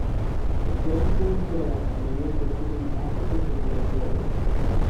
El cual se puede mejorar a medida que adquieren más afecto por el jugador.